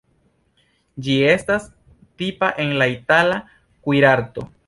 Ĝi estas tipa en la itala kuirarto.